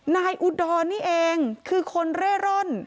อุดรนี่เองคือคนเร่ร่อน